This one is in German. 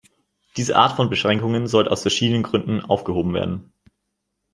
Diese Art von Beschränkungen sollte aus verschiedenen Gründen aufgehoben werden.